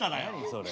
それ。